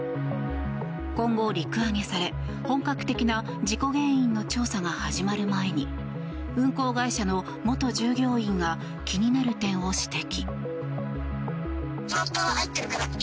今後、陸揚げされ本格的な事故原因の調査が始まる前に運航会社の元従業員が気になる点を指摘。